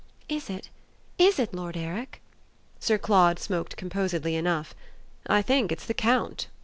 "Is it IS it Lord Eric?" Sir Claude smoked composedly enough. "I think it's the Count."